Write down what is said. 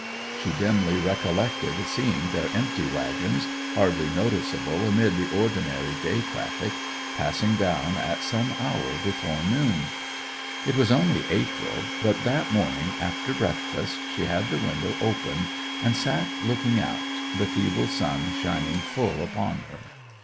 She dimly recollected seeing their empty waggons, hardly noticeable amid the ordinary day traffic, passing down at some hour before noon. It was only April, but that morning, after breakfast, she had the window opened, and sat looking out, the feeble sun shining full upon her.